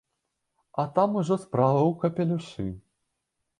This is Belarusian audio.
А там ужо справа ў капелюшы.